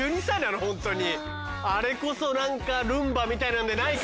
あれこそ何かルンバみたいなんでないかね？